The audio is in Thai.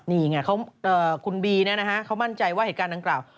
นี่ไงคุณบีเขามั่นใจว่าเหตุการณ์ดังกล่าว